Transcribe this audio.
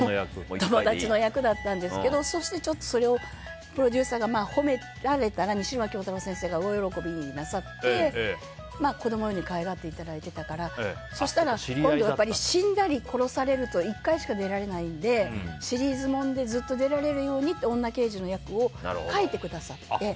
友達の役だったんですけどそれをプロデューサーが褒められたら西村京太郎先生が大喜びなさって子供のように可愛がってもらってたからそうしたら死んだり殺されると１回しか出られないのでシリーズものでずっと出られるように女刑事の役を書いてくださって。